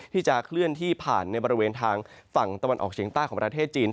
ที่จะเคลื่อนที่ผ่านในบริเวณทางฝั่งตะวันออกเฉียงใต้ของประเทศจีน